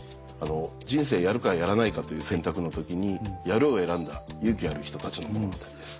人生やるかやらないかという選択の時にやるを選んだ勇気ある人たちの物語です。